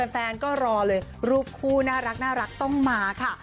แฟนก็รอเลยรูปคู่น่ารักต้องมาค่ะ